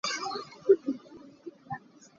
Cangai na khorh bal maw?